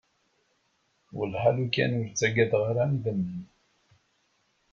Wellah alukan ur ttagadeɣ ara idamen.